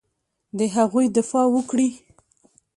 د هغوی دفاع وکړي.